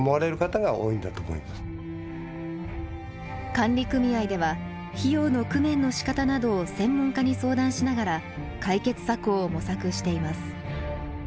管理組合では費用の工面のしかたなどを専門家に相談しながら解決策を模索しています。